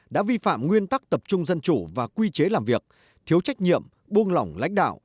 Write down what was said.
đã vi phạm nguyên tắc tập trung dân chủ và quy chế làm việc thiếu trách nhiệm buông lỏng lãnh đạo